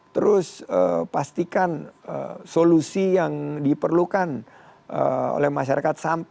terus pastikan solusi yang diperlukan oleh masyarakat